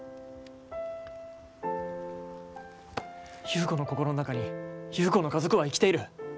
優子の心の中に優子の家族は生きている。